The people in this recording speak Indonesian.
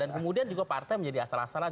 dan kemudian juga partai menjadi asal asalan